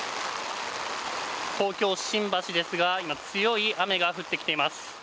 東京・新橋ですが今、強い雨が降ってきています。